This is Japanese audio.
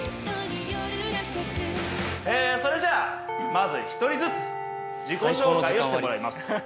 それじゃあまず１人ずつ自己紹介をしてもらいます。